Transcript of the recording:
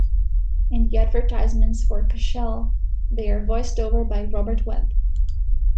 In the advertisements for Cushelle, they are voiced-over by Robert Webb.